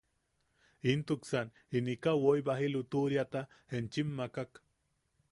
Intuksan inika woi, baji lutuʼuriata enchim makak.